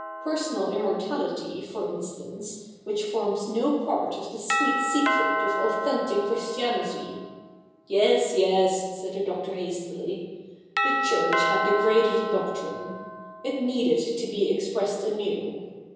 Personal immortality, for instance, which forms no part of the sweet secret of authentic Christianity '' Yes — yes,' said the Doctor hastily ;' the Church had degraded the doctrine. It needed to be expressed anew.